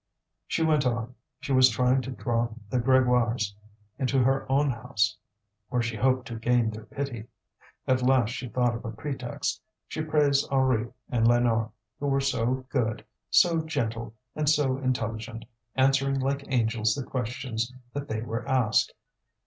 She went on; she was trying to draw the Grégoires into her own house, where she hoped to gain their pity. At last she thought of a pretext; she praised Henri and Lénore, who were so good, so gentle, and so intelligent, answering like angels the questions that they were asked.